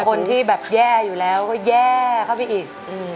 คนที่แบบแย่อยู่แล้วก็แย่เข้าไปอีก